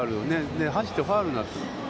走ってファウルになって。